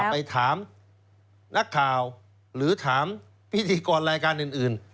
ไปถามนักข่าวหรือถามพิธีกรรายการอื่น